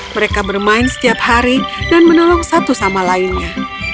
mereka bermain setiap hari dan menolong satu sama lainnya